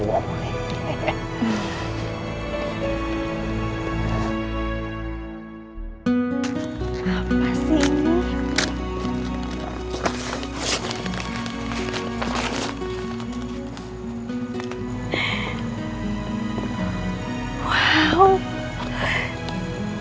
apa sih ini